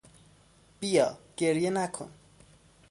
بیا، گریه نکن!